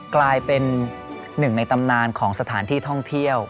กลายเป็นหนึ่งในตำนานของสถานที่ท่องเที่ยว